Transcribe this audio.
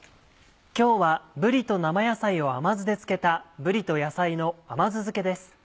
今日はぶりと生野菜を甘酢で漬けた「ぶりと野菜の甘酢漬け」です。